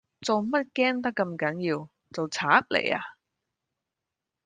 做乜驚得咁緊要，做贼嚟呀？